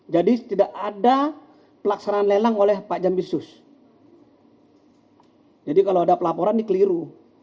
jadi tidak ada pelaksanaan lelang oleh pak jambisus jadi kalau ada pelaporan ini keliru